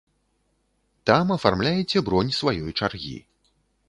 Там афармляеце бронь сваёй чаргі.